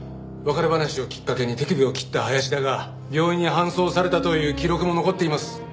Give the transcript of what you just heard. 別れ話をきっかけに手首を切った林田が病院に搬送されたという記録も残っています。